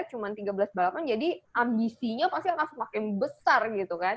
cuma tiga belas balapan jadi ambisinya pasti akan semakin besar gitu kan